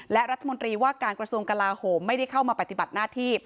และรัฐมนตรีว่าการกระทรวงกลาโหมไม่ได้เข้ามาปฏิบัติหน้าที่